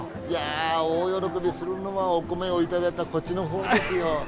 いや大喜びするのはお米を頂いたこっちの方ですよ。